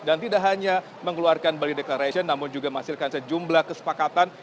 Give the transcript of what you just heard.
dan tidak hanya mengeluarkan bali declaration namun juga menghasilkan sejumlah kesepakatan